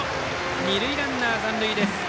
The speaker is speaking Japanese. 二塁ランナー残塁です。